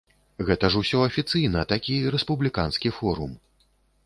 Гэта ж усё афіцыйна, такі рэспубліканскі форум.